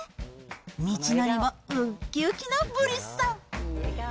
道のりもうっきうきのブリスさん。